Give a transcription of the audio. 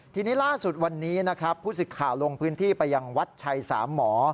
ทีนี้ล่าสุดวันนี้นะครับผู้สิทธิ์ข่าวลงพื้นที่ไปยังวัดชัยสามหมอ